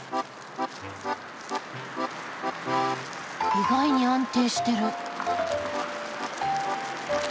意外に安定してる。